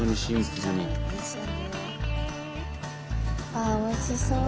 ああおいしそう。